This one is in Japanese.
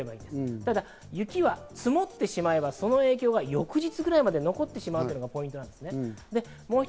ただ雪は積もってしまえば、その影響が翌日ぐらいまで残ってしまうということがあるんですね。